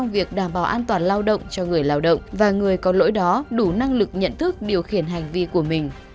việc đảm bảo an toàn lao động cho người lao động và người có lỗi đó đủ năng lực nhận thức điều khiển hành vi của mình